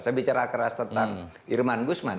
saya bicara keras tentang irman gusman